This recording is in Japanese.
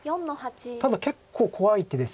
ただ結構怖い手です